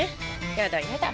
やだやだ。